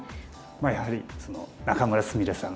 やはり仲邑菫さん